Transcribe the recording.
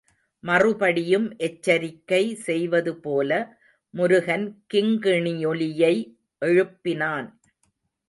மறுபடியும் எச்சரிக்கை செய்வதுபோல முருகன் கிங்கிணியொலியை எழுப்பினான்.